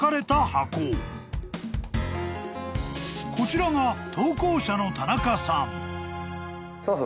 ［こちらが投稿者の田中さん］